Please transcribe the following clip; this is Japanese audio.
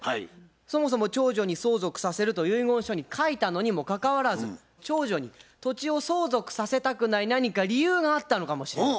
そもそも長女に相続させると遺言書に書いたのにもかかわらず長女に土地を相続させたくない何か理由があったのかもしれない。